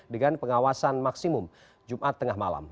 dengan pengawasan maksimum jumat tengah malam